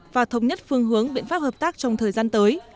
và thống nhất phương hướng biện pháp hợp tác trong thời gian tới